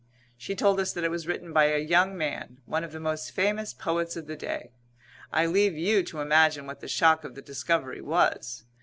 She told us that it was written by a young man, one of the most famous poets of the day. I leave you to imagine what the shock of the discovery was.